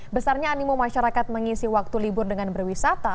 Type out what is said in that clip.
besarnya animo masyarakat mengisi waktu libur dengan berwisata